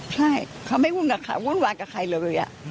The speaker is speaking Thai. ใช่เขาไม่วุ่นวายกับใครเลย